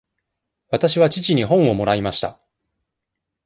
わたしは父に本をもらいました。